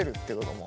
もう。